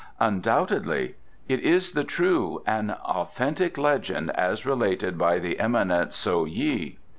"Undoubtedly. It is the true and authentic legend as related by the eminent Tso yi."